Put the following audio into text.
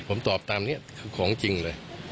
ผมตอบตามนี้คือของจริงเลย